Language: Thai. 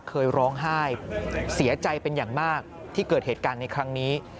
เคยร้องไห้เสียใจเป็นอย่างมากที่เกิดเหตุการณ์ในครั้งนี้